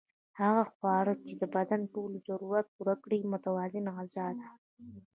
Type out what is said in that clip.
هغه خواړه چې د بدن ټول ضرورتونه پوره کړي متوازنه غذا ده